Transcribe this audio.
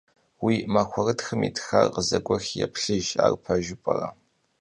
Vui maxuerıtxım yitxar khızeguexi yêplhıjj, ar pejju p'ere?